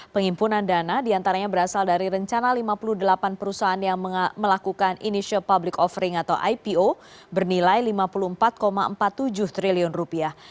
penghimpunan dana diantaranya berasal dari rencana lima puluh delapan perusahaan yang melakukan initial public offering atau ipo bernilai lima puluh empat empat puluh tujuh triliun rupiah